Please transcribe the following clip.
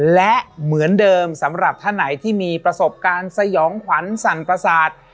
และเหมือนเดิมสำหรับท่านไหนที่มีประสบการณ์สยองขวัญสั่นประสาท